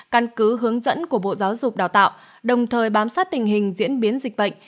căn cứ hướng dẫn của bộ giáo dục đào tạo đồng thời bám sát tình hình diễn biến dịch bệnh